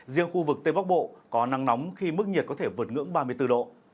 riêng khu vực tây bắc bộ có nắng nóng khi mức nhiệt có thể vượt ngưỡng ba mươi bốn độ